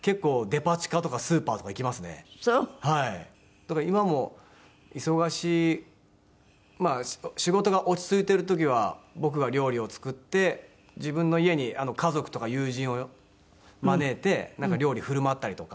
だから今も忙しいまあ仕事が落ち着いてる時は僕が料理を作って自分の家に家族とか友人を招いてなんか料理振る舞ったりとか。